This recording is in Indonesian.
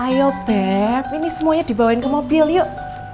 ayo bap ini semuanya dibawain ke mobil yuk